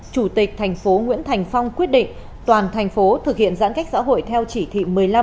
chủ tịch thành phố nguyễn thành phong quyết định toàn thành phố thực hiện giãn cách xã hội theo chỉ thị một mươi năm